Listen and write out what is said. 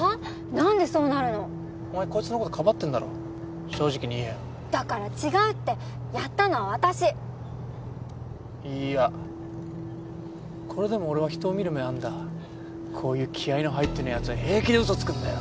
なんでそうなるのお前こいつのことかばってんだろ正直に言えよだから違うってやったのは私いいやこれでも俺は人を見る目はあんだこういう気合の入ってねぇヤツは平気でウソつくんだよ